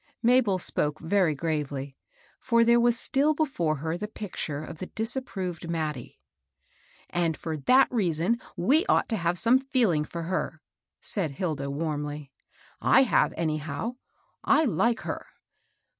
Mabel spoke very gravely; for there was still l» fore her the picture of the disapproved Mattie. And for that reason we ought to have some feeling for her," said Hilda^ warmly. " I have, anyhow. I hke her."